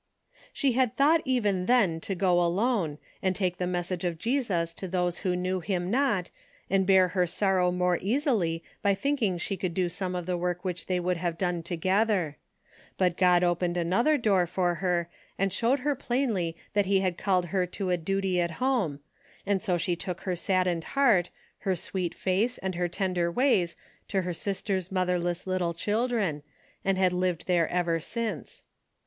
. She had thought even then to go alone, and take the message of Jesus to those who knew him not, and bear her sorrow more easily by thinking she could do some of the work which DAILY rate:' 87 they would have done together. But God opened another door for her and showed her plainly that he had called her to a duty at home, and so she took her saddened heart, her sweet face and her tender ways to her sister's motherless little children and had lived there ever since.